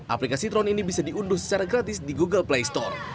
aplikasi tron ini bisa diunduh secara gratis di google play store